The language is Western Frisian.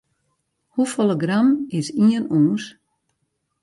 Hoefolle gram is ien ûns?